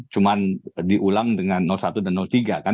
cuma diulang dengan satu dan tiga kan